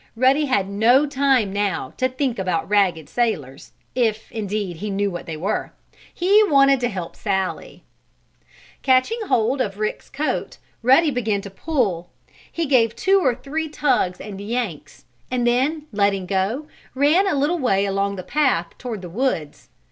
Ruddy had no time now to think about ragged sailors, if, indeed, he knew what they were. He wanted to help Sallie. Catching hold of Rick's coat, Ruddy began to pull. He gave two or three tugs and yanks, and then, letting go, ran a little way along the path toward the woods.